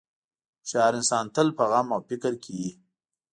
هوښیار انسان تل په غم او فکر کې وي.